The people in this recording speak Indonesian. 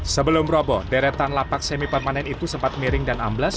sebelum roboh deretan lapak semi permanen itu sempat miring dan amblas